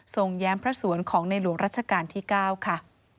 แย้มพระสวนของในหลวงรัชกาลที่๙ค่ะ